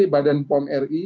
badan pom ri